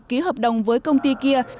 ký hợp đồng với công ty kia